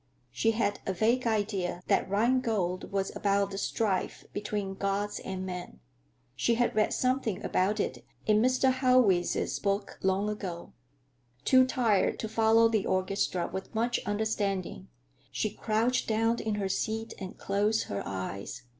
She had a vague idea that "Rhinegold" was about the strife between gods and men; she had read something about it in Mr. Haweis's book long ago. Too tired to follow the orchestra with much understanding, she crouched down in her seat and closed her eyes.